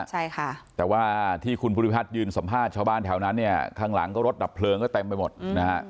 ใช่ค่ะแต่ว่าที่คุณภูริพัฒน์ยืนสัมภาษณ์ชาวบ้านแถวนั้นเนี่ยข้างหลังก็รถดับเพลิงก็เต็มไปหมดนะฮะ